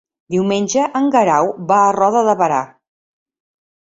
Diumenge en Guerau va a Roda de Berà.